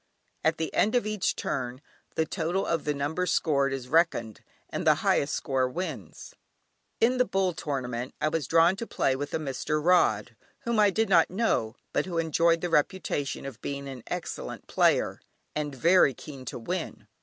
At the end of each turn the total of the numbers scored is reckoned, and the highest score wins. In the "Bull" tournament I was drawn to play with a Mr. Rod, whom I did not know, but who enjoyed the reputation of being an excellent player, and very keen to win.